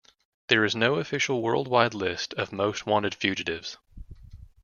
There is no official worldwide list of most wanted fugitives.